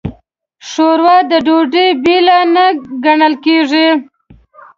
ښوروا د ډوډۍ بېله نه ګڼل کېږي.